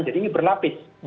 jadi ini berlapis